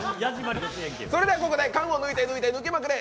それではここで「缶を抜いて抜いて抜きまくれ！